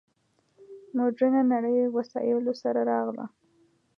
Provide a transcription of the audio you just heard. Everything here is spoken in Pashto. مډرنه نړۍ وسایلو سره راغله.